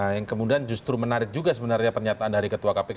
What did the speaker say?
yang kemudian justru menarik juga sebenarnya pernyataan dari ketua kpk